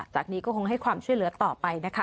จากนี้ก็คงให้ความช่วยเหลือต่อไปนะคะ